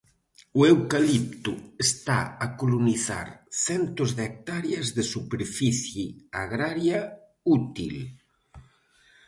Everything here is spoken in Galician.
O eucalipto está a colonizar centos de hectáreas de superficie agraria útil.